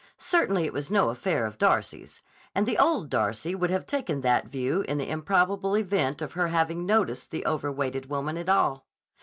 Certainly it was no affair of Darcy's; and the old Darcy would have taken that view in the improbable event of her having noticed the overweighted woman at all.